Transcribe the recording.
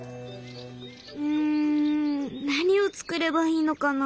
ん何を作ればいいのかな。